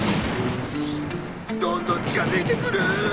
どんどんちかづいてくる！